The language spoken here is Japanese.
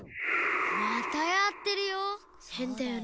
またやってるよ。